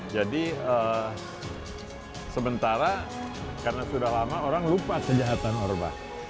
jadi sementara karena sudah lama orang lupa kejahatan orba